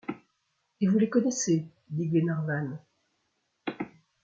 Et vous les connaissez ? dit Glenarvan.